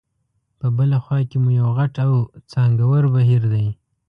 په بله خوا کې مو یو غټ او څانګور بهیر دی.